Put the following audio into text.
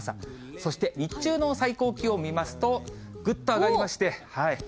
そして日中の最高気温を見ますと、ぐっと上がりまして。